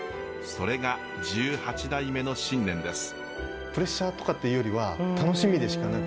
それが１８代目の信念です。